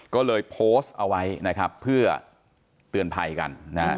ก็เลยโพสต์เอาไว้นะครับเพื่อเตือนภัยกันนะฮะ